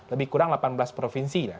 lebih kurang delapan belas provinsi ya